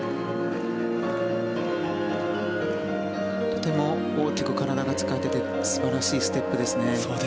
とても大きく体を使えていて素晴らしいステップですね。